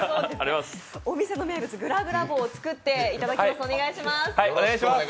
お店の名物ぐらぐら棒を作っていただきます。